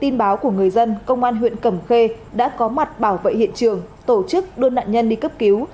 tin báo của người dân công an huyện cẩm khê đã có mặt bảo vệ hiện trường tổ chức đưa nạn nhân đi cấp cứu